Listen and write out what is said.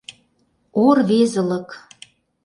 О рвезылык!